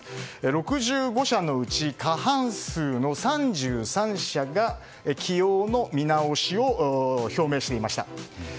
６５社のうち、過半数の３３社が起用の見直しを表明していました。